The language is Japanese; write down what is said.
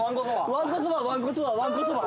わんこそばわんこそばわんこそば。